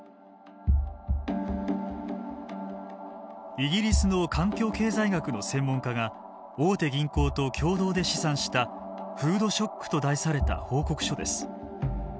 イギリスの環境経済学の専門家が大手銀行と共同で試算した「フードショック」と題された報告書です。